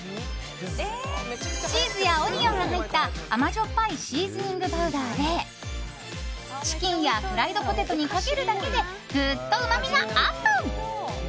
チーズやオニオンが入った甘じょっぱいシーズニングパウダーでチキンやフライドポテトにかけるだけでグッとうまみがアップ。